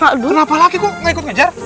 kenapa lagi gua ga ikut ngejar